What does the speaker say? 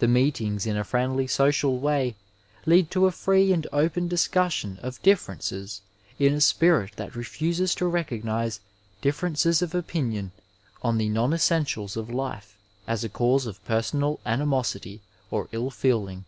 The meetings in a friendly social way lead to a free and open discussion of differences in a spirit that refuses to recognize differences of opinion on the non essentials of life as a cause of per sonal animosity or ill feeling.